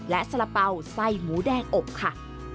และสละเป๋าไส้หมูแดงอบค่ะ